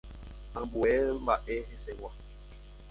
Ambue mba'e hesegua.